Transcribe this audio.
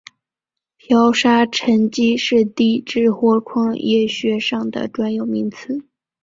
漂砂沉积是地质或矿业学上的专有名词。